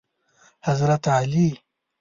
حضرت علی